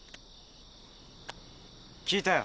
聞いたよ